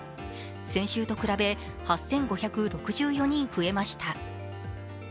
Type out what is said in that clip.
先週と比べ８５６４人増えました。